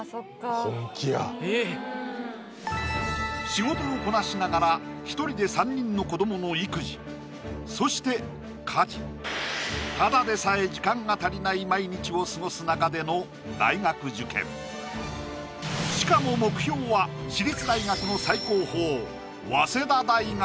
仕事をこなしながら一人で３人の子どもの育児そして家事ただでさえ時間が足りない毎日を過ごす中での大学受験しかも目標はＴｈａｔ何とかｅｘｃｉｔｉｎｇ？